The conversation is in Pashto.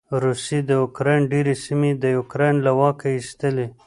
روسې د يوکراین ډېرې سېمې د یوکراين له واکه واېستلې.